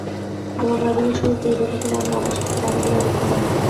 তোমার বাইবেলের সহিত পরিচয় থাকিলে আমি আমার শাস্ত্র ভাল করিয়া বুঝিতে পারি।